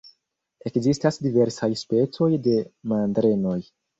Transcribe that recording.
Ekzistas diversaj specoj de mandrenoj.